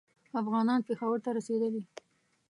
افغانان پېښور ته رسېدلي.